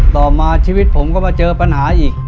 ต่อมาชีวิตผมก็มาเจอปัญหาอีก